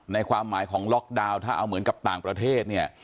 ความหมายของล็อกดาวน์ถ้าเอาเหมือนกับต่างประเทศเนี่ย